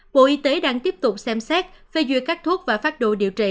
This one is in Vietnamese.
bộ y tế đang tiếp tục xem xét phê duyệt các thuốc và phát đồ điều trị